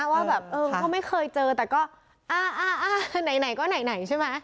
ว่าแบบเออก็ไม่เคยเจอแต่ก็อ่าอ่าอ่าไหนไหนก็ไหนไหนใช่ไหม